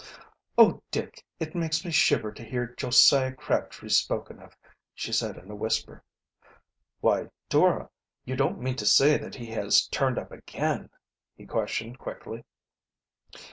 "Oh, Dick, it makes me shiver to hear Josiah Crabtree spoken of," she said in a whisper. "Why, Dora, you don't mean to say that he has turned up again?" he questioned quickly.